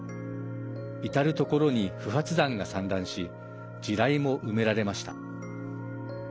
至る所に不発弾が散乱し地雷も埋められました。